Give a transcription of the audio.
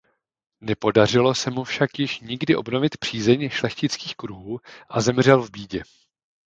Nepodařilo se mu však již nikdy obnovit přízeň šlechtických kruhů a zemřel v bídě.